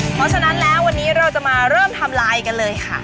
เพราะฉะนั้นแล้ววันนี้เราจะมาเริ่มทำลายกันเลยค่ะ